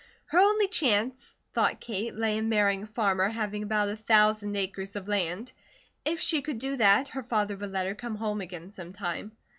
Her only chance, thought Kate, lay in marrying a farmer having about a thousand acres of land. If she could do that, her father would let her come home again sometime.